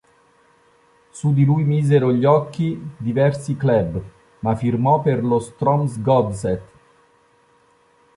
Su di lui misero gli occhi diversi club, ma firmò per lo Strømsgodset.